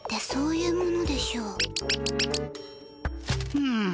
うん。